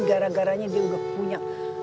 gara garanya dia udah punya